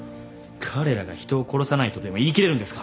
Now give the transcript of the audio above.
彼らが人を殺さないとでも言い切れるんですか？